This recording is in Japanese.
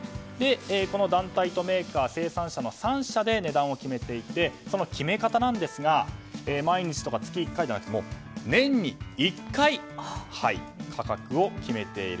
この団体とメーカー生産者の３者で値段を決めていてその決め方なんですが毎日とか月に１回じゃなく年に１回価格を決めている。